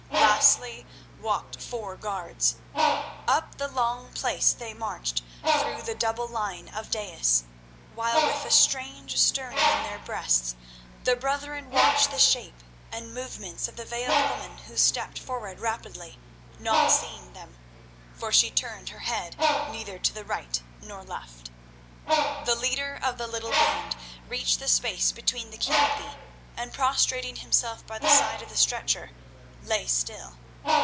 Lastly walked four guards. Up the long place they marched, through the double line of daïs, while with a strange stirring in their breasts the brethren watched the shape and movements of the veiled woman who stepped forward rapidly, not seeing them, for she turned her head neither to the right nor left. The leader of the little band reached the space before the canopy, and, prostrating himself by the side of the stretcher, lay still.